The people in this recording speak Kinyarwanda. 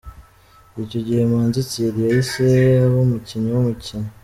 Icyo gihe Manzi Thierry yahise aba umukinnyi w’umukino.